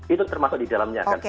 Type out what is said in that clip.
itu termasuk di dalamnya